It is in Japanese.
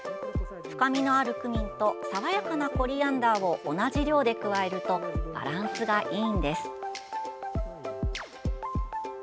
深みのあるクミンと爽やかなコリアンダーを同じ量で加えるとバランスがいいんです。